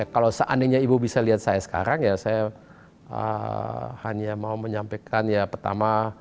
kalau seandainya ibu bisa lihat saya sekarang ya saya hanya mau menyampaikan ya pertama